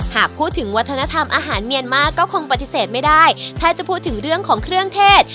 หากพูดถึงวัฒนธรรมอาหารเมียนมาร์ก็คงปฏิเสธไม่ได้ถ้าจะพูดถึงเรื่องของเครื่องเทศ